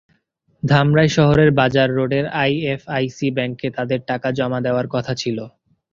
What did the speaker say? ধামরাই শহরের বাজার রোডের আইএফআইসি ব্যাংকে তাঁদের টাকা জমা দেওয়ার কথা ছিল।